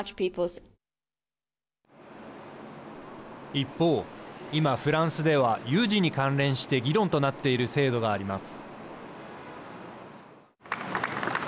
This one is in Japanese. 一方、今フランスでは有事に関連して議論となっている制度があります。